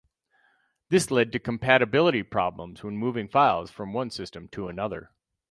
This led to compatibility problems when moving files from one file system to another.